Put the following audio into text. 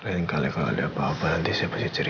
lain kali kalau ada apa apa nanti saya